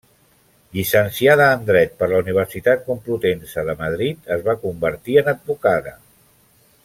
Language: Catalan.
Llicenciada en dret per la Universitat Complutense de Madrid, es va convertir en advocada.